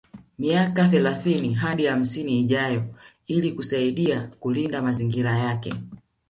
Miaka thelathini hadi hamsini ijayo ili kusaidia kulinda mazingira yake